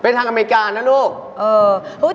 เป็นทางอเมริกานะลูก